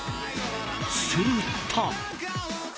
すると。